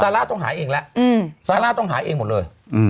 ร่าต้องหาเองแล้วซาร่าต้องหาเองหมดเลย